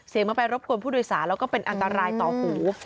มันไปรบกวนผู้โดยสารแล้วก็เป็นอันตรายต่อหู